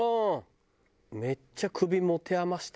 めっちゃ首持て余してるな。